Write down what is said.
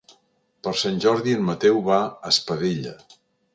Per Sant Jordi en Mateu va a Espadella.